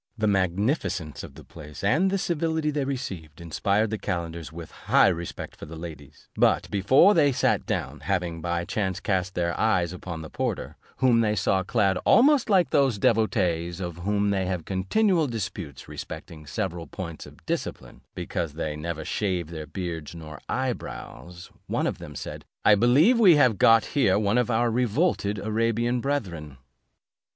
The magnificence of the place, and the civility they received, inspired the calenders with high respect for the ladies: but, before they sat down, having by chance cast their eyes upon the porter, whom they saw clad almost like those devotees with whom they have continual disputes respecting several points of discipline, because they never shave their beards nor eye brows; one of them said, "I believe we have got here one of our revolted Arabian brethren."